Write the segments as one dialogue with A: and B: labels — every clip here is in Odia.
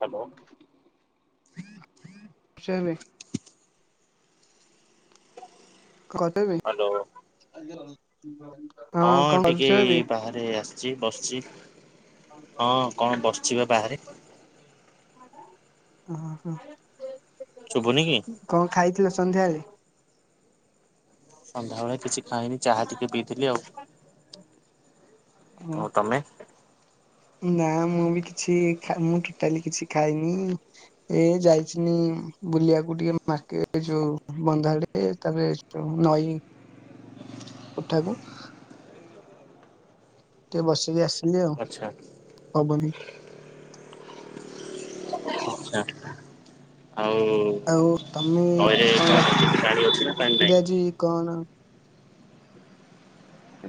A: ହ୍ୟାଲୋ।
B: [unintelligible] କଛବ
A: ହ୍ୟାଲୋ
B: ହଁ
A: ହଁ
B: କଣ
A: ଟିକେ
B: କରୁଛ ଏବେ?
A: ବାହାରେ ଆସିଛି ବସିଛି ହଁ କଣ ବସିଛି ବା ବାହାରେ।
B: ଓ ହୋ
A: ଶୁଭୁନି କି?
B: କଣ ଖାଇଥିଲ ସନ୍ଧ୍ୟାବେଳେ?
A: ସନ୍ଧ୍ୟାବେଳେ କିଛି ଖାଇନି ଚାହା ଟିକେ ପିଇଥିଲି ଆଉ
B: ହୁଁ।
A: ଆଉ ତମେ?
B: ନା ମୁଁ ବି କିଛି ମୁଁ ଟୋଟାଲି କିଛି ଖାଇନି। ଏ ଯାଇଚିନି ବୁଲିବାକୁ ଟିକେ ମାର୍କେଟ ଯୋଉ ବନ୍ଧଆଡେ। ଏ ତାପରେ ସେ ଯୋଉ ନଈ
A: ହ [unintelligible]
B: ଉଠାକୁ ଟିକେ ବସିକି ଆସିଲି ଆଉ
A: ଆଚ୍ଛା
B: ଅବନି।
A: ଆଛା ଆଉ
B: ଆଉ ତମେ
A: ନଈରେ ପାଣି ଅଛି ନା ପାଣି ନାହିଁ।
B: ଜି କଣ?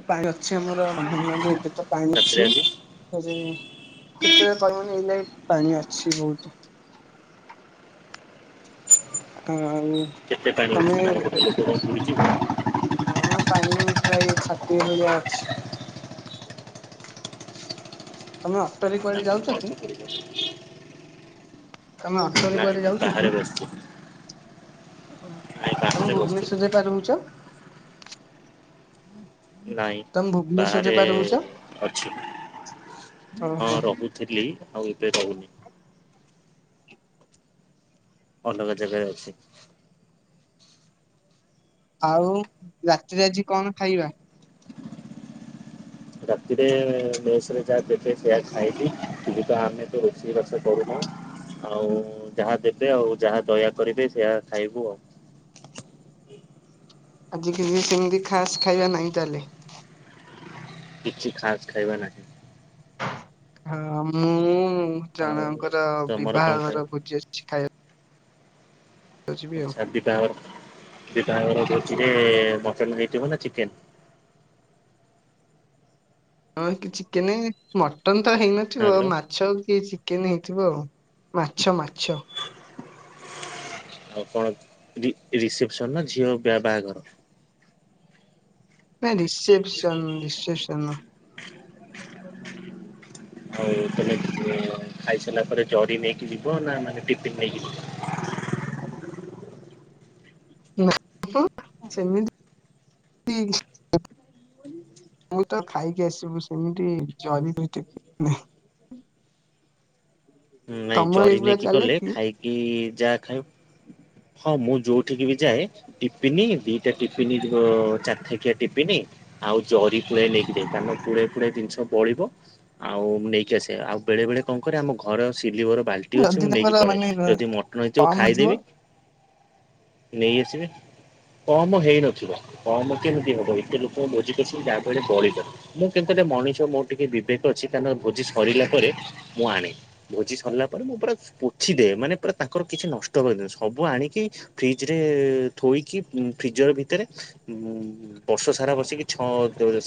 B: ପାଣି ଅଛି ଆମର ବ୍ରହ୍ମହଣି ନଦୀ ଏବେ ତ ପାଣି ଅଛି।
A: ରାତିରେ ଆଜି
B: ରେ କେତେ କହିହବିନି ଏଇ ନାକ ପାଣି ଅଛି ବହୁତ। ତାଙ୍କ ଆଉ
A: କେତେ ପାଣି
B: ତମେ
A: ଅଛି ପାଣି ରେ କଣ ବୁଡ଼ିଯିବୁ
B: ହଁ ପାଣି ଏଇ ପ୍ରାଏ ଛାତିଏ ଭଳିଆ ଅଛି ତମେ ଅଟୋରେ
A: ତା
B: କୁଆଡେ ଯାଉଚ କି?
A: ଅଳ୍ପ ବୁଡିବ
B: ତମେ ଅଟୋ ରେ
A: ନାଇଁ
B: କୁଆଡେ
A: ନାଇଁ ବାହାରେ
B: ଯାଉଚକି?
A: ବସିଛି
B: ଓ
A: ନାଇଁ
B: ତମେ
A: ବାହାରେ ବସିଛି
B: ଭୁବନେଶ୍ଵର ଯାଇପା ରହୁଛ।
A: ନାଇଁ
B: ତମେ ଭୁବନେଶ୍ୱରରେ
A: ବାହାରେ
B: ପା ରହୁଛ
A: ଅଛି ହଁ
B: ଓହୋ
A: ରହୁ ଥିଲି ଆଉ ଏବେ ରହୁନି। ଅଲଗା ଜାଗାରେ ଅଛି।
B: ଆଉ ରାତିରେ ଆଜି କଣ ଖାଇବା।
A: ରାତିରେ ମେସ୍‌ରେ ଯାହା ଦେବେେ ସେଇଆ ଖାଇଲି ଯିବା ଆମେ ତ ରୋଷେଇବାସ କରୁନୁ। ଆଉ ଯାହା ଦେବେ ଆଉ ଯାହା ଦୟା କରିବେ ସେଇଆ ଖାଇବୁ ଆଉ
B: ଆଜି କି ସେମିତି ଖାସ୍ ଖାଇବା ନାଇଁ ତାହେଲେ।
A: କିଛି ଖାସ ଖାଇବା ନାହିଁ।
B: ହଁ ମୁଁ
A: ଆଉ
B: ଜଣଙ୍କର
A: ତମର
B: ବିବାହ
A: କଣ ଖାଇବ
B: ଘର ଭୋଜି ଅଛି ଖାଇବା
A: ଆଛା ବିଭାଘର ଭୋଜିରେ ଯେ ମଟନ୍ ହେଇଥିବ ନା ଚିକେନ
B: ହଁ ଚିକେନ ମଟନ ତ ହେଇନଥିବ ଆଉ
A: ହ୍ୟାଲୋ
B: ମାଛ କି ଚି କେନ୍ ହେଇଥିବ ଆଉ ମାଛ ମାଛ
A: ଆଉ କଣ ରି ରିସେପସନ ନା ଝିଅ ବାହାଘର।
B: ନାଇଁ ରିସେପସନ୍‌ ରିସେପସନ।
A: ଆଉ ତମେ ଖାଇସାରିଲା ପରେ ଜରି ନେଇକି ଯିବ ନା ମାନେ ଟିଫିନ ନେଇକି ଯିବ।
B: [inaudible] ସେମିତି [inaudible] ମୁଁ ତ ଖାଇକି ଆସିବୁ ସେମିତି ଜରି [unintelligible]
A: ହଁ ନାଇଁ
B: ତମ
A: ଜରି
B: ଏଇଗୁଡା
A: ନେଇକି
B: ଚାଲେ
A: ଗଲେ
B: କି?
A: ଖାଇକି ଯାହା ଖାଉବ ହଁ ମୁଁ ଯୋଉଠିକି ବି ଯାଏ ଟିପିନି ଦିଟା ଟିପିନି ଚାରଥକିଆ ଟିପିନି ଆଉ ଜରି ପୁଳେ ନେଇକି ଯାଏ କାରଣ କୁଳେ ଫୁଳେ ଜିନିଷ ବଳିବ ଆଉ ନେଇକି ଆସି ଆଉ ବେଳେ ବେଳେ କଣ କରେ ଆମ ଘର ସିଲିିବର ବାଲ୍ଟି ଅଛି
B: ଯଦି
A: ମୁଁ ନେଇକି
B: ତମର ମାନେ
A: ପଳେଇଏ ଯଦି ମଟନ ହେଇଥିବ
B: କମ ଥିବ
A: ଖାଇଦେବି। ନେଇ ଆସିବେ କମ ହେଇନଥିବ କମ କେମିତି ହବ ଏତେ ଲୋକ ଭୋଜିପସିକି ଯାହା ବି ହେଲେ ବଳିବ। ମୁଁ କିନ୍ତାଟ୍ଟା ମଣିଷ ମୋର ଟିକେ ବିବେକ ଅଛି ତାଙ୍କ ଭୋଜି ସରିଲା ପରେ ମୁଁ ଆଣେ ଭୋଜି ସରିଲା ପରେ ମୁଁ ପୁରା ପୋଛିଦଏ ମାନେ ପୁରା ତାଙ୍କର କିଛି ନଷ୍ଟ କରିଦିଏନି ସବୁ ଆଣିକି ଫ୍ରିଜ୍‌ରେ ଥୋଇକି ଫ୍ରିଜର ଭିତରେ ଉଁ ବର୍ଷ ସାରା ବସିକି ଛଅ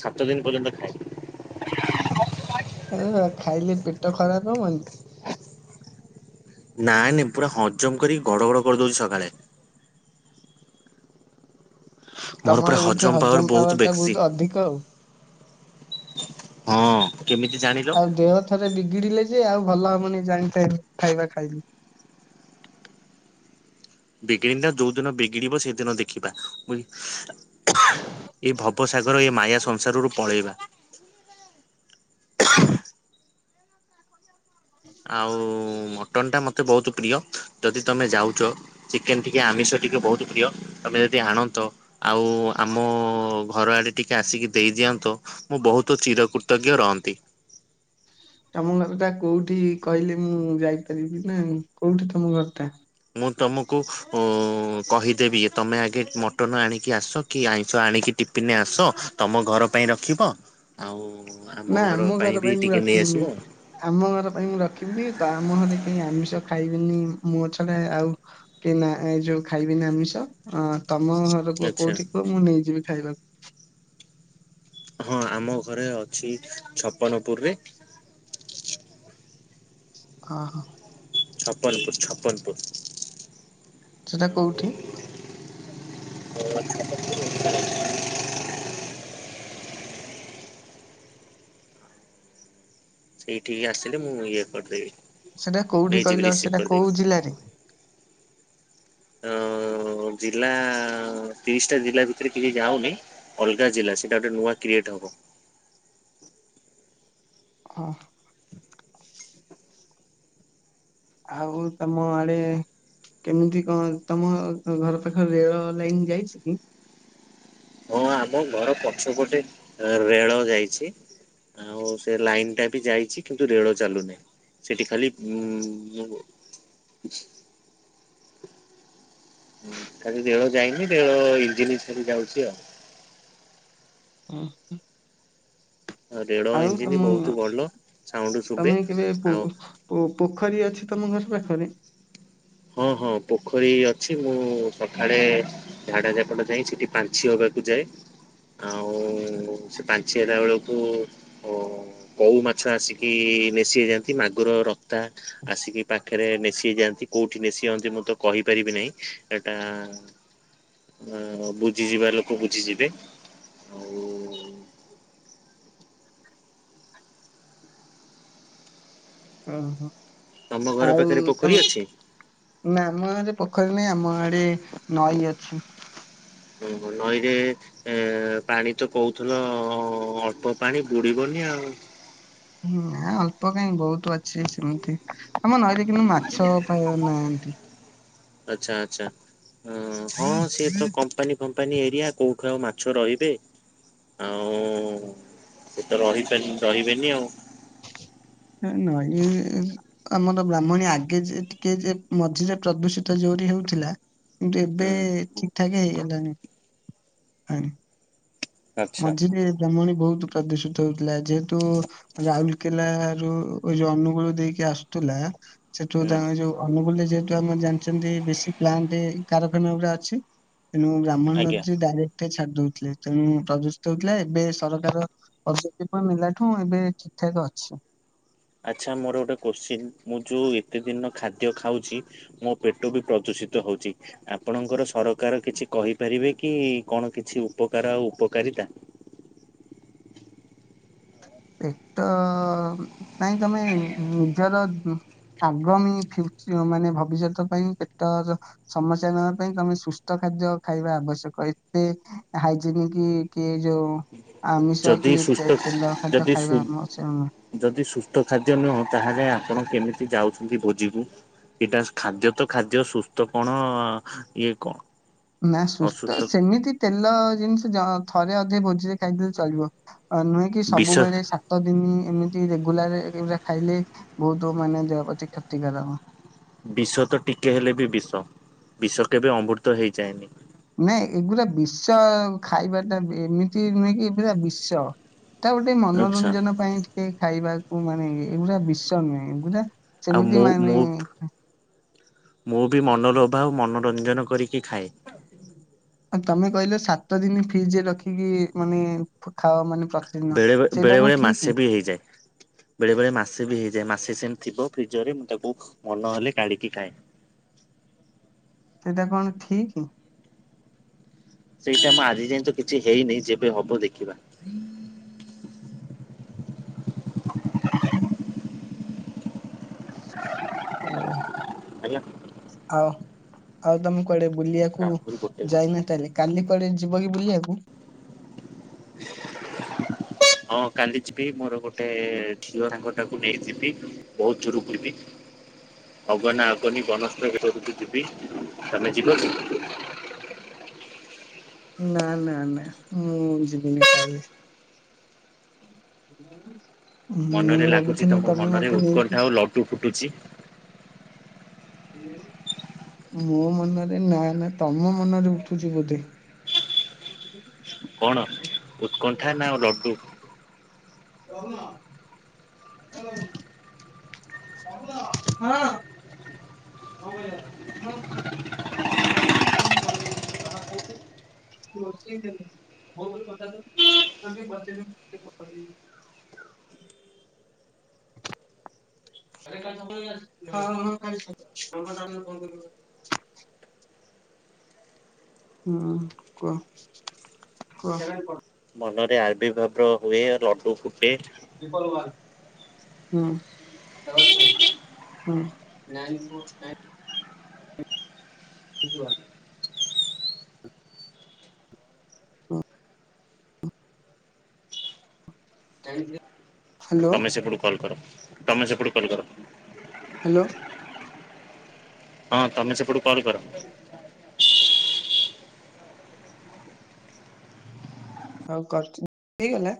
A: ସାତ ଦିନ ପର୍ଯ୍ୟନ୍ତ ଖାଏ।
B: ଓ ହୋ ଖାଇଲେ ପେଟ ଖରାପ ହବନି।
A: ନାଇଁ ନାଇଁ ପୁରା ହଜମ କରି କି ଗଡଘଡ କରିଦଉଚି ସକାଳେ ମୋର ପୁରା
B: ତମର ବୋଧେ
A: ହଜମ ପାୱାର ବହୁତ
B: ଟା
A: ବେକ୍ସି।
B: ଅଧିକ ଆଉ।
A: ହଁ। କେମିତି ଜାଣେ
B: ଆଉ ଦେହ ଥରେ ବିଗିଡିଲେ ଯେ ଆଉ ଭଲ ହବନି ଜାଣିଥା ଏମିତି ଖାଇବା ଖାଇଲି।
A: ବିଗିଡି ନା ଯୋଉ ଦିନ ବିଗିଡିବ ସେଇଦିନ ଦେଖିବା ମୁଁ ଏଇ ଭବସାଗର ଏ ମାୟା ସଂସାରରୁ ପଳେଇବା। କଟନ୍ଟା ମୋତେ ବୋହୁତ ପ୍ରିୟ ଯଦି ତୁମେ ଯାଉଚ ଚିକେନ ଟିକେ ଆମିଷ ଟିକେ ବୋହୁତ ପ୍ରିୟ ତମେ ଯଦି ଆଣନ୍ତ। ଆଉ ଆମ ଘର ଆଡେ ଟିକେ ଆସିକି ଦେଇ ଦିଅନ୍ତ। ମୁଁ ବହୁତ ଚିର କୃତଜ୍ଞ ରହନ୍ତି।
B: ତମ ଘର ଟା କୋଉଠି କହିଲେ ମୁଁ ଯାଇପାରିବି ନା କୋଉଠି ତମ ଘର ଟା?
A: ମୁଁ ତୁମକୁ କହିଦେବି ଯେ ତୁମେ ଆଗେ ମଟନ ଆଣିକି ଆସ କି ଆଇଁଷ ଆଣିକି ଟିଫିନରେ ଆସ ତମ ଘର ପାଇଁ ରଖିବ ଆଉ
B: ନା ଆମ ଘର
A: ବି
B: ପାଇଁ ମୁଁ
A: ଟିକେ ନେଇ ଆସିବ
B: ରଖିବିନି। ଆମ ଘର ପାଇଁ ମୁଁ ରଖିବିନି ତ ଆମ ଘରେ କେହି ଆମିଷ ଖାଇବନି ମୋ ଛଡ଼ା ଆଉ କି ନା ଏ ଯୋଉ ଖାଇବିନି ଆମିଷ ତମ ଘରକୁ
A: ଆଚ୍ଛା
B: କୋଉଠି କୁହ ମୁଁ ନେଇଯିବି ଖାଇବାକୁ।
A: ହଁ ଆମ ଘରେ ଅଛି ଛପନପୁରରେ।
B: ଅହ।
A: ଛପନପୁର ଛପନପୁର।
B: ସେଟା କୋଉଠି
A: [inaudible] ସେଇଠିକି ଆସିଲେ ମୁଁ ଇଏ କରିଦେବି
B: ସେଟା କୋଉଠି କହିଲ ସେଟା କୋଉ ଜିଲ୍ଲାରେ
A: ଆଁ ଜିଲ୍ଲା ତିରିଶଟା ଜିଲ୍ଲା ଭିତରେ କିଛି ଯାଉନି ଅଲଗା ଜିଲ୍ଲା ସେଇଟା ଗୋଟେ ନୂ। ଆ କ୍ରିଏଟ ହେବ
B: ହଁ। ଆଉ ତମ ଆଡେ କେମିତି କଣ ତମ ଘ୍ ଘର ପାଖରେ ରେଳ ଲାଇନ ଯାଇଛି କି?
A: ହଁ ଆମ ଘର ପଛପଟେ ରେଳ ଯାଇଛି। ଆଉ ସେ ଲାଇନ୍ ଟା ବି ଯାଇଚି କିନ୍ତୁ ରେଳ ଚାଲୁନି। ସେଠି ଖାଲି ଉଁ ହୁଁ କାଲି ରେଳ ଯାଇନି ରେଳ ଇଞ୍ଜିନ ଖାଲି ଯାଉଚି ଆଉ।
B: ହଁ।
A: ଆଉ। ରେଳ
B: ଆଉ
A: ଇଞ୍ଜିନ
B: ତମ
A: ବହୁତ ଭଲ ସାଉଣ୍ଡ ଶୁଭେ
B: ତମେ କେବେ
A: ଆଉ
B: ପୁଅକୁ ଓ ପୋଖରୀ ଅଛି ତମ ଘର ପାଖରେ?
A: ହଁ ହଁ ପୋଖରୀ ଅଛି ମୁଁ ସଖାଳେ ଝାଡ ଝପଟ ଯାଇ ସେଇଠି ପାଞ୍ଚି ହବାକୁ ଯାଏ। ଆଉ ସେ ପାଞ୍ଚେ ହେଲା ବେଳକୁ ଓ କଉ ମାଛ ଆସିକି ନେସିି ହେଇଯାଆନ୍ତି ମାଗୁର ରକ୍ତା ଆସିକି ପାଖରେ ନେସିି ହେଇଯାଆନ୍ତି। କୋଉଠି ନେଶି ହନ୍ତି ମୁଁ ତ କହିପାରିବି ନାହିଁ ହେଟା ଅ ବୁଝିଯିବା ଲୋକ ବୁଝିଯିବେ ଆଉ
B: ଓହୋ
A: ତମ ଘର
B: ଆଉ
A: ପାଖରେ ପୋଖରୀ
B: ତମେ
A: ଅଛି
B: ନା ଆମ ଗରେ ପୋଖରୀ ନାାଇଁ ଆମ ଆଡେ ନଈ ଅଛି।
A: ଓହୋ ନଈରେ ଏଁ ପାଣି ତ କହୁଥିଲ ଅଳ୍ପ ପାଣି ବୁଡିବନି ଆଉ।
B: ହୁଁ ନା ଅଳ୍ପ କାଇଁ ବୋହୁତ ଅଛି ସେମିତି ଆମ ନଈରେ କିନ୍ତୁ ମାଛ ପ୍ରାୟ ନାହାନ୍ତି।
A: ଆଛା ଆଛା। ହଁ ହଁ ସିଏ ତ କମ୍ପାନୀ ଫମ୍ପାନୀ ଏରିଆ କୋଉଠୁ ଆଉ ମାଛ ରହିବେ। ଆଉ ସେ ତ ରହିପା ରହିବେନି ଆଉ।
B: ହେ ନଈ ଆମର ବ୍ରାହ୍ମଣୀ ଆଗେ ଯେ ଟିକେ ଯେ ମଝିରେ ପ୍ରଦୂଷିତ ଯୋରି ହେଉଥିଲା। କିନ୍ତୁ ଏବେ
A: ହୁଁ।
B: ଠିକ୍ ଠାକ୍ ହେଇଗଲାଣି। ପାଣି।
A: ଆଚ୍ଛା
B: ମଝିରେ ବ୍ରାହ୍ମଣୀ ବୋହୁତ ପ୍ରଦୂଷିତ ହେଉଥିଲା ଯେହେତୁ ରାଉରକେଲରୁ ଯୋଉ ଅନୁଗୁଳ ଦେଇକି ଆସୁଥିଲା ସେଠୁ
A: ହୁଁ।
B: ତାଙ୍କ ଏ ଯୋଉ ଅନୁକୂଲ ଯେହେତୁ ଆମେ ଜାଣିଛନ୍ତି ବେଶୀ ପ୍ଲାଣ୍ଟ କାରଖାନା ଗୁଡା ଅଛି। ତେଣୁ ବ୍ରାହ୍ମଣ
A: ଆଜ୍ଞା
B: ନଚି ଡାଇରେକ୍ଟ ଛାଡିଦଉଥିଲେ ତେଣୁ ପ୍ରଦୂଷିତ ହେଉଥିଲା ଏବେ ସରକାର ଔଣ ନେଲାଠୁ ଏବେ ଠିକଠାକ ଅଛି।
A: ଆଚ୍ଛା ମୋର ଗୋଟେ କୋଶ୍ଚିନ୍ ମୁଁ ଯୋଉ ଏତେ ଦିନ ଖାଦ୍ୟ ଖାଉଛି ମୋ ପେଟ ବି ପ୍ରଦୂଷିତ ହଉଛି। ଆପଣଙ୍କର ସରକାର କିଛି କହିପାରିବେ କି କଣ କିଛି ଉପକାର ଆଉ ଉପକାରିତା?
B: ପେଟ ପାଇଁଁ ତମେ ନିଜର ଆଗାମୀ ଫିୟୁ ମାନେ ଭବିଷ୍ୟତ ପାଇଁ ପେଟ ଜ ସମସ୍ୟା ନବା ପାଇଁ ତମେ ସୁସ୍ଥ ଖାଦ୍ୟ ଖାଇବା ଆବଶ୍ୟକ ଏତେ ହାଇଜନିକ କି ଯୋଉ ଆମିଷ
A: ଯଦି
B: କି
A: ସୁସ୍ଥ
B: ତେ ତେଲ ଖାଦ୍ୟ
A: ଯଦି ସୁ
B: ଖାଇବା ଆବଶ୍ୟକ ନୁହେଁ।
A: ଯଦି ସୁସ୍ଥ ଖାଦ୍ୟ ନୁହଁ ତାହେଲେ ଆପଣ କେମିତି ଯାଉଛନ୍ତି ଭୋଜିକୁୁ। ଏଇଟା ଖାଦ୍ୟ ତ ଖାଦ୍ୟ ସୁସ୍ଥ କଣ ଇଏ କଣ?
B: ନା ସୁସ୍ଥ
A: ଅସୁସ୍ଥ
B: ସେମିତି ତେଲ ଜିନିଷ ଥରେ ଅଧେ ଭୋଜିରେ ଖାଇଦେଲେ ଚଳିବ। ନୁହେଁ କି
A: ବିଷ
B: ସବୁବେଳେ ସତ ଦିନ ଏମିତି ରେଗୁଲାରା ଏୟୁରା ଖାଇଲେ ବହୁତ ମାନେ ଦେହ ପ୍ରତି କ୍ଷତି କାରକ।
A: ବିଷ ତ ଟିକେ ହେଲେ ବି ବିଷ ବିଷ କେବେ ଅମୃତ ହେଇଯାଏନି।
B: ନାଇଁ ଏଗୁରା ବିଶ ଖାଇବାଟା ଏମିତି ନୁହେଁ କି ଏ ପୁରା ବିଶ। ତା ଗୋଟେ
A: ଆଚ୍ଛା।
B: ମନୋରଞ୍ଜନ ପାଇଁ ଟ ଖାଇବାକୁ ମାନେ ଏଗୁଡା ବିଷ ନୁହେଁ ଏଗୁୁରା
A: ଆଉ ମୁଁ ମୁଁ ମୁଁ ବି ମନରୋଭାବ ମନୋରଞ୍ଜନ କରିକି ଖାଏ।
B: ତମେ କହିଲ ସାତ ଦିନ ଫ୍ରିଜରେ ରଖିକି ମାନେ ଖାଅ ମାନେ ପ୍ରତିଦିନ
A: ବେଳେ
B: ସେଇଟା
A: ବେଳେ
B: କଣ
A: ବେଳେ ମାସେ
B: ଠିକ
A: ବି ହେଇଯାଏ। ବେଳେ ବେଳେ ମାସେ ବି ହେଇଯାଏ ମାସେ ସେମ ଥିବ ଫ୍ରିଜ ରେ ମୁଁ ତାକୁ ମନ ହେଲେ କାଢିକି ଖାଏ।
B: ସେଇଟା କଣ ଠିକ?
A: ସେଇଟା ମୁଁ ଆଜି ଯାଇଏ ତ କିଛି ହେଇନି ଯେବେ ହବ ଦେଖିବା। [inaudible]
B: ଓ
A: ହେଲା
B: ଆଉ। ଆଉ ତମେ କୁଆଡେ ବୁଲିବାକୁ
A: ଆହୁରି ଗୋଟେ ମିନିଟ୍।
B: ଯାଇନ ତାହେଲେ କାଲି କୁଆଡେ ଯିବ କି ବୁଲିବାକୁ?
A: ହଁ କାଲି ଯିବି ମୋର ଗୋଟେ ଝିଅ ସାଙ୍ଗ ଟାକୁ ନେଇଯିବି। ବହୁତ ଜୋରୁ କରିବି। ଅଗନା ଅଗନି ବନସ୍ତ୍ରଟକୁୁ ଯିବି ତମେ ଯିବ କି?
B: ନା ନା ନା ମୁଁ ଯିବିନି ତାହାଲେ। ମୁଁ
A: ମନରେ
B: ଭାବୁଥିଲି ତମେ ମତେ ନେଇକି
A: ଫୁଟୁ ଫୁଟୁଛି।
B: ମୋ ମନରେ ନା ନା ତମ ମନରେ ଉଠୁଛି ବୋଧେ। [inaudible]
A: କଣ ଉତ୍କଣ୍ଠା ନା ଲଡୁ।
B: [inaudible] ହଁ। [unintelligible] [inaudible] [unintelligible]
A: [inaudible]
B: [inaudible] [unintelligible] ହୁଁ କୁହ କୁହ।
A: ମନରେ ଆଳବିଭାବର ହୁଏ ଲଡୁ ଫୁଟେ।
B: [unintelligible] [unintelligible] [unintelligible] ହୁଁ [unintelligible] ହ୍ୟାଲୋ
A: ତମେ ସେପଟୁ କଲ୍ କର, ତମେ ସେପଟୁ କଲ୍ କର।
B: ହ୍ୟାଲୋ।
A: ହଁ ତମେ ସେପଟୁ କଲ କର।
B: ହଁ କରୁଚି ହେଇଗଲା।